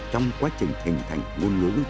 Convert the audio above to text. trong quá trình hình thành ngôn ngữ